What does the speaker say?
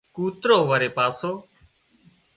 ڪوترو وري پاسو